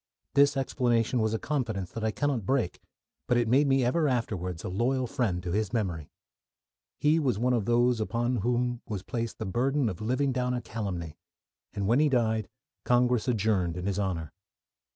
This explanation was a confidence that I cannot break, but it made me ever afterwards a loyal friend to his memory. He was one of those upon whom was placed the burden of living down a calumny, and when he died Congress adjourned in his honour.